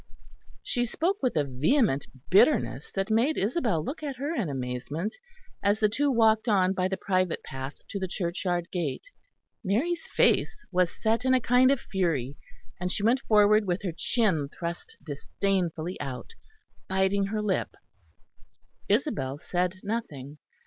She spoke with a vehement bitterness that made Isabel look at her in amazement, as the two walked on by the private path to the churchyard gate. Mary's face was set in a kind of fury, and she went forward with her chin thrust disdainfully out, biting her lip. Isabel said nothing.